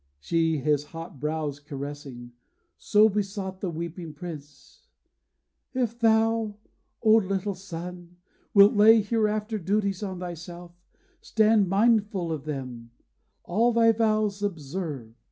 She, his hot brows caressing, so besought The weeping prince: 'If thou, O little son! Wilt lay hereafter duties on thyself, Stand mindful of them; all thy vows observe.